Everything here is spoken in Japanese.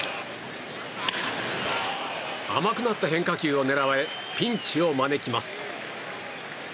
甘くなった変化球を狙われピンチを招きます。